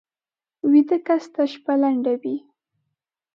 ویده کس ته شپه لنډه وي